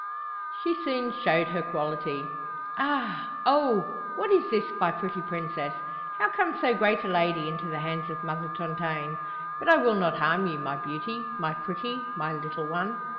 She soon showed her quality. "Aha! oho! What is this, my pretty princess? How comes so great a lady into the hands of Mother Tontaine? But I will not harm you, my beauty, my pretty, my little one.